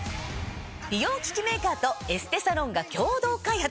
美容機器メーカーとエステサロンが共同開発！